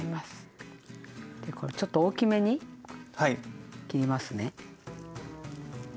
これちょっと大きめに切りますね。